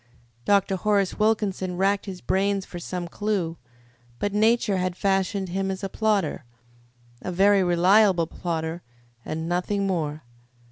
Dr. Horace Wilkinson racked his brains for some clue, but Nature had fashioned him as a plodder a very reliable plodder and nothing more.